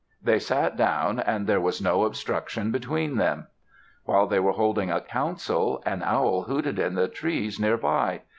They sat down and there was no obstruction between them. While they were holding a council, an owl hooted in the trees near by.